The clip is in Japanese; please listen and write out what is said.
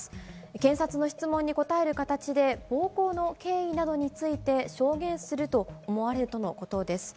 検察の質問に答える形で暴行の経緯などについて証言すると思われるとのことです。